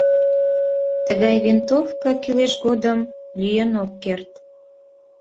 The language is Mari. Тыгай винтовка кӱлеш годым лӱен ок керт.